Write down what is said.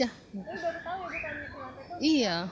baru tahu ya bukan itu